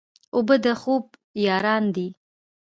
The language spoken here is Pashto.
اوبه د خوب یاران دي.